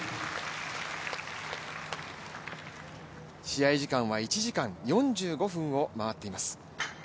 試合時間は１時間４５分を回っています。